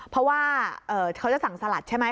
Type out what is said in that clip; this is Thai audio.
เพราะว่าเขาจะสั่งสลัดใช่ไหม